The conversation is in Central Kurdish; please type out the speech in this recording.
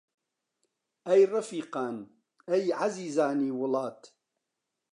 ئەی ڕەفیقان، ئەی عەزیزانی وڵات!